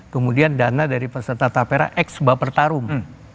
kemudian dana dari peserta tapra ex bapak pertarung